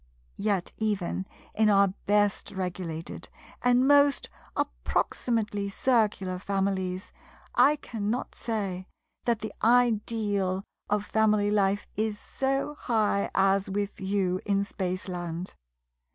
Yet even in our best regulated and most approximately Circular families I cannot say that the ideal of family life is so high as with you in Spaceland.